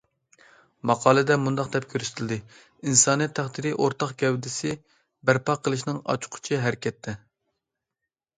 ماقالىدە مۇنداق دەپ كۆرسىتىلدى: ئىنسانىيەت تەقدىرى ئورتاق گەۋدىسى بەرپا قىلىشنىڭ ئاچقۇچى ھەرىكەتتە.